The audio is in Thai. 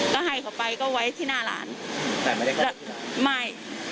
ก็ให้เขาไปก็ไว้ที่หน้าร้านแต่ไม่ได้กลัวที่ร้านไม่